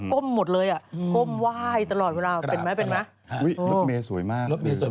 ก้มว่ายตลอดกลับ